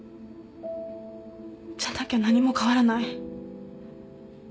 じゃなきゃ何も変わらない。